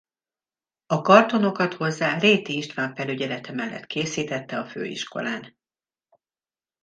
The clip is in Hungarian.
A kartonokat hozzá Réti István felügyelete mellett készítette a főiskolán.